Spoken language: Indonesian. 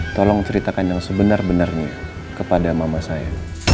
tolong ceritakan yang sebenar benarnya kepada mama saya